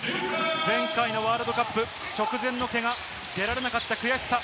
前回のワールドカップ直前のけが、出られなかった悔しさ。